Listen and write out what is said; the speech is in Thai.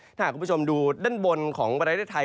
ถ้าหากคุณผู้ชมดูด้านบนของประเทศไทย